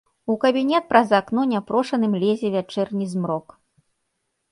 У кабінет праз акно няпрошаным лезе вячэрні змрок.